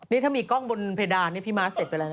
นี่ถ้ามีกล้องบนเพดานนี่พี่ม้าเสร็จไปแล้วนะ